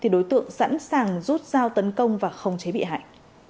đối tượng sẵn sàng rút dao tấn công và không chế bị hại